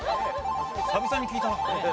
久々に聞いたな。